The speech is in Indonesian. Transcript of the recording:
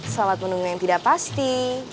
salat menunggu yang tidak pasti